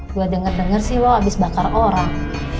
gue denger denger sih lo abis bakar orang